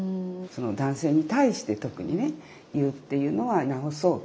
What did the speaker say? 男性に対して特にね言うっていうのは直そう。